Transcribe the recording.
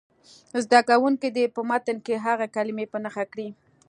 زده کوونکي دې په متن کې هغه کلمې په نښه کړي.